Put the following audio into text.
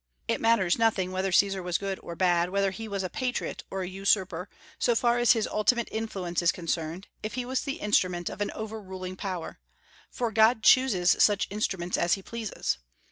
It matters nothing whether Caesar was good or bad, whether he was a patriot or a usurper, so far as his ultimate influence is concerned, if he was the instrument of an overruling Power; for God chooses such instruments as he pleases.